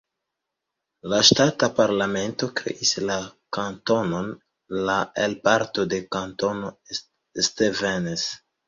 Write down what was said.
La ŝtata parlamento kreis la kantonon la el parto de Kantono Stevens.